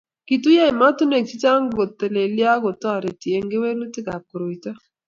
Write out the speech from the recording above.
Kituyo emotinwek chechang kotelelyo ak kotoreti eng kewelutikab koroito